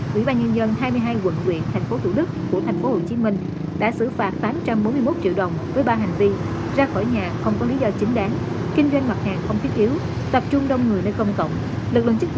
quỹ ba nhân dân hai mươi hai quận huyện thành phố thủ đức của thành phố hồ chí minh